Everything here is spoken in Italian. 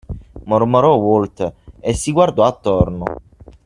mormorò Walter e si guardò attorno.